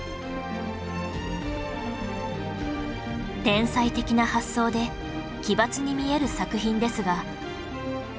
天才的な発想で奇抜に見える作品ですが